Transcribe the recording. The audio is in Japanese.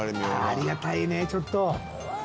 ありがたいねちょっと。